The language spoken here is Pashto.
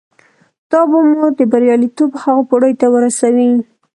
دا به مو د برياليتوب هغو پوړيو ته ورسوي.